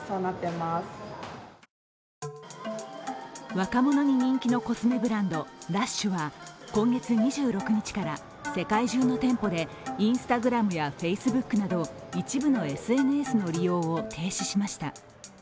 若者に人気のコスメブランドＬＵＳＨは今月２６日から世界中の店舗でＩｎｓｔａｇｒａｍやＦａｃｅｂｏｏｋなど一部のＳＮＳの利用を停止しました。